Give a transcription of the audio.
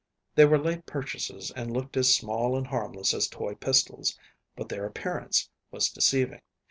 They were late purchases and looked as small and harmless as toy pistols, but their appearance was deceiving.